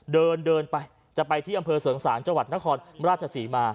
เดินเดินไปจะไปที่อำเภอเสริงสางจังหวัดนครราชศรีมา